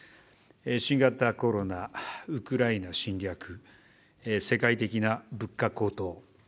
新型コロナ、ウクライナ侵略、世界的な物価高騰。